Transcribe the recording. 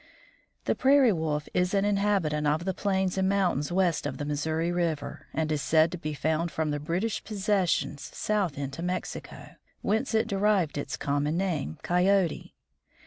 The Prairie Wolf is an inhabitant of the plains and mountains west of the Missouri river, and is said to be found from the British possessions south into Mexico, whence it derived its common name, Coyote.